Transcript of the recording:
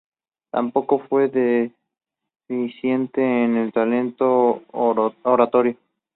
Tampoco fue deficiente en el talento oratorio.